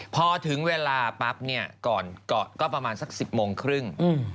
พอถึงเวลาปั๊บเนี่ยก่อนก็ประมาณสัก๑๐โมงครึ่ง